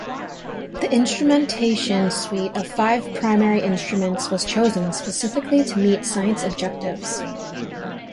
The instrumentation suite of five primary instruments was chosen specifically to meet science objectives.